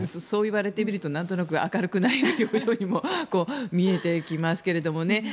そういわれてみるとなんとなく明るい表情にも見えてきますけどね。